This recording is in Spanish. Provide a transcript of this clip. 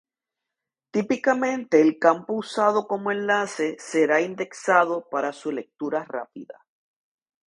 Típicamente el campo usado como enlace, será indexado para su lectura rápida.